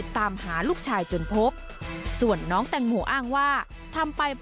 ผมก็จะเป็นคนมากมายินบาทมาก